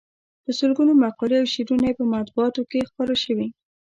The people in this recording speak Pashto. په سلګونو مقالې او شعرونه یې په مطبوعاتو کې خپاره شوي.